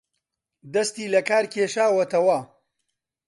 دەستی لەکار کێشاوەتەوە